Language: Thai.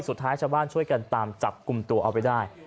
สุดท้ายชาวบ้านช่วยกันตามจับกลุ่มตัวเอาไปได้